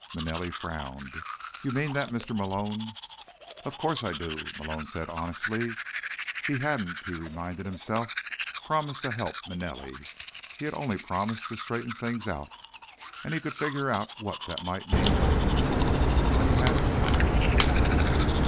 Manelli frowned. "You mean that, Mr. Malone?" "Of course I do," Malone said honestly. He hadn't, he reminded himself, promised to help Manelli. He had only promised to straighten things out. And he could figure out what that might mean later, when he had the time.